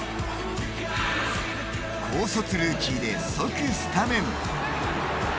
高卒ルーキーで即スタメン。